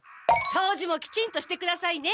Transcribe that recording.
そうじもきちんとしてくださいね。